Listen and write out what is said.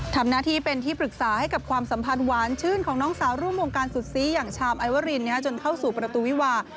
ทำหน้าที่เป็นที่ปรึกษาให้กับความสัมพันธ์หวานชื่นของน้องสาวร่วมวงการสุดซีอย่างชามไอวรินจนเข้าสู่ประตูวิวา